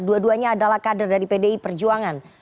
dua duanya adalah kader dari pdi perjuangan